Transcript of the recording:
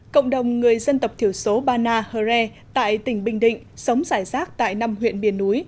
cộng đồng người dân tộc thiểu số bana hre tại tỉnh bình định sống rải rác tại năm huyện biển núi